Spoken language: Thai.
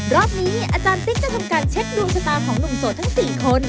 รอบนี้อาจารย์ติ๊กจะทำการเช็คดวงชะตาของหนุ่มโสดทั้ง๔คน